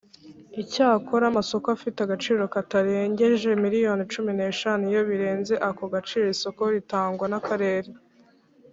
Icyakora amasoko afite agaciro katarengeje miliyoni cumi n’eshanu iyo birenze ako gaciro isoko ritangwa n’akarere.